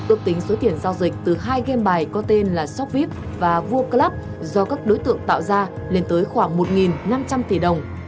ước tính số tiền giao dịch từ hai game bài có tên là shopvip và vuaclub do các đối tượng tạo ra lên tới khoảng một năm trăm linh tỷ đồng